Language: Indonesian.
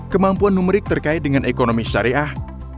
kemampuan numerik terkait dengan ekonomi syariah